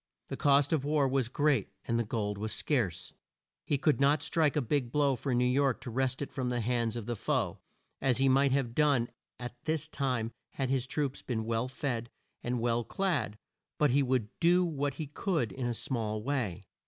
The cost of war was great, and gold was scarce. He could not strike a big blow for New York to wrest it from the hands of the foe, as he might have done at this time had his troops been well fed and well clad but he would do what he could in a small way.